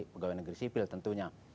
pegawai negeri sipil tentunya